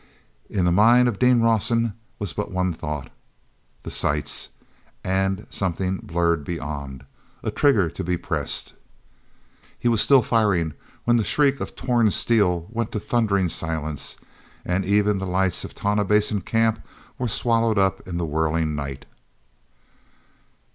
In the mind of Dean Rawson was but one thought: the sights—and a something blurred beyond—a trigger to be pressed. He was still firing when the shriek of torn steel went to thundering silence, and even the lights of Tonah Basin Camp were swallowed up in the whirling night....